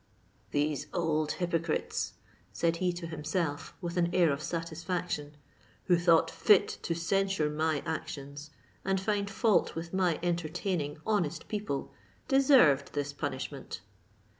"These old hypocrites," said he to himself, with an air of satisfaction "who thought fit to censure my actions, and find fault with my entertaining honest people, deserved this punishment."